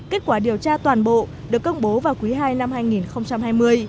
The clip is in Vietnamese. kết quả điều tra toàn bộ được công bố vào quý ii năm hai nghìn hai mươi